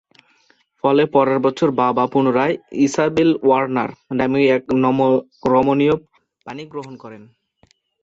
ফলে পরের বছর বাবা পুনরায় "ইসাবেল ওয়ার্নার" নামীয় এক রমণীর পাণিগ্রহণ করেন।